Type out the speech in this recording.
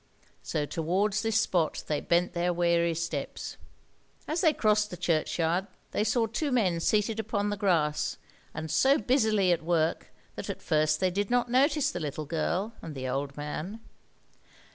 So towards this spot they bent their weary steps. As they crossed the churchyard they saw two men seated upon the grass, and so busily at work that at first they did not notice the little girl and the old man.